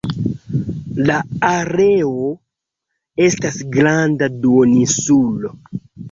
La areo estas granda duoninsulo.